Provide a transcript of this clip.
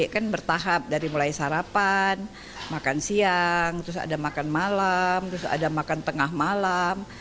kan bertahap dari mulai sarapan makan siang terus ada makan malam terus ada makan tengah malam